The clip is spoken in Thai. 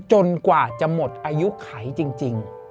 จนกว่าจะหมดอายุไขจริง